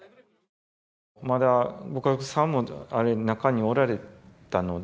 まだご家族さんも中におられたので。